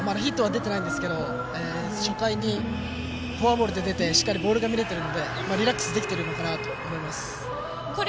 ヒットはまだ出てないんですけど初回にフォアボールで出てしっかりボールが見れているのでリラックスできているのかなと思います。